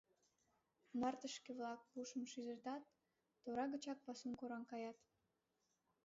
Мартышке-влак, пушым шижытат, тора гычак пасум кораҥ каят.